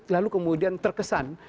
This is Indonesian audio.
lalu kemudian terkesan